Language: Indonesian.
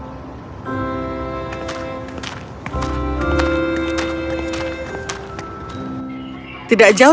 tidak jauh dari sini eva menemukan seorang anak yang berada di sebuah kota kecil